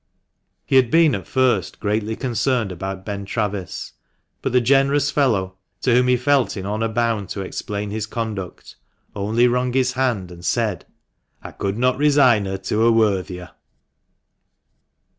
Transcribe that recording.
He had been at first greatly concerned about Ben Travis, but the generous fellow, to whom he felt in honour bound to explain his conduct, only wrung his hand, and said —" I could not resign her to a worthier."